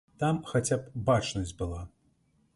Там хаця б бачнасць была.